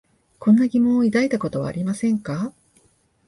こんな疑問を抱いたことはありませんか？